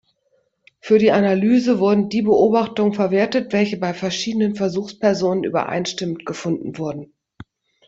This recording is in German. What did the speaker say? Für die Analyse wurden die Beobachtungen verwertet, welche bei verschiedenen Versuchspersonen übereinstimmend gefunden wurden.